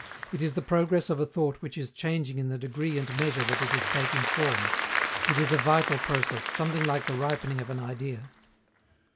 It is the progress of a thought which is changing in the degree and measure that it is taking form. It is a vital process, something like the ripening of an idea.